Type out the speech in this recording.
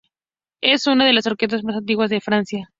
Es una de las orquestas más antiguas de Francia.